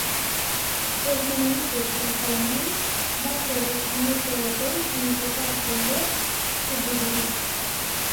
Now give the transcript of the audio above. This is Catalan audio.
Els mennonites suís-alemanys van ser dels primers europeus en ocupar els lots subdividits.